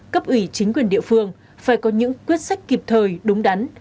cấp ủy chính quyền địa phương phải có những quyết sách kịp thời đúng đắn